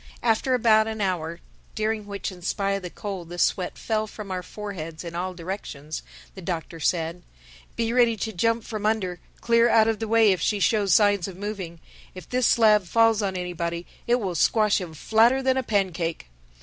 After about an hour, during which in spite of the cold the sweat fell from our foreheads in all directions, the Doctor said, "Be ready to jump from under, clear out of the way, if she shows signs of moving. If this slab falls on anybody, it will squash him flatter than a pancake."